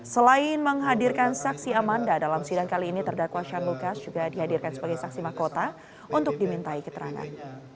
selain menghadirkan saksi amanda dalam sidang kali ini terdakwa shane lucas juga dihadirkan sebagai saksi mahkota untuk dimintai keterangan